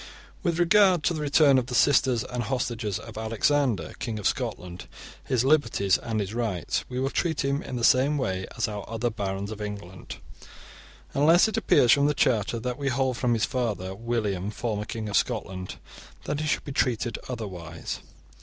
* With regard to the return of the sisters and hostages of Alexander, king of Scotland, his liberties and his rights, we will treat him in the same way as our other barons of England, unless it appears from the charters that we hold from his father William, formerly king of Scotland, that he should be treated otherwise.